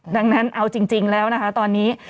ดังนั้นเอาจริงแล้วนะคะตอนนี้